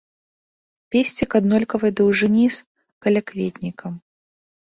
Песцік аднолькавай даўжыні з калякветнікам.